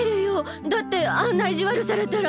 だってあんな意地悪されたら。